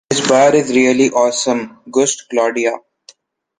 This bar is really awesome, gushed Claudia.